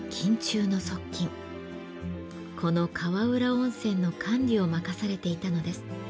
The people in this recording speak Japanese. この川浦温泉の管理を任されていたのです。